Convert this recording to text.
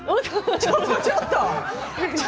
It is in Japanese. ちょっとちょっと。